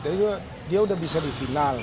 tapi juga dia udah bisa di final